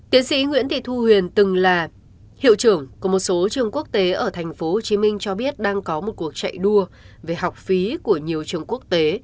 tiến sĩ nguyễn thị thu huyền từng là hiệu trưởng của một số trường quốc tế ở tp hcm cho biết đang có một cuộc chạy đua về học phí của nhiều trường quốc tế